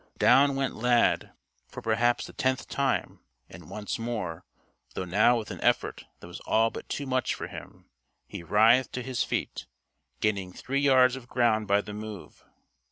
Down went Lad, for perhaps the tenth time, and once more though now with an effort that was all but too much for him he writhed to his feet, gaining three yards of ground by the move.